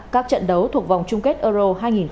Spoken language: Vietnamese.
các trận đấu thuộc vòng chung kết euro hai nghìn hai mươi